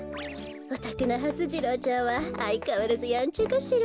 おたくのはす次郎ちゃんはあいかわらずやんちゃかしら？